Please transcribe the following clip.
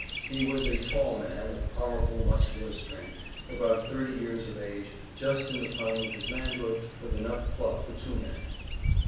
He was a tall man, of powerful muscular strength, about thirty years of age just in the prime of his manhood with enough pluck for two men.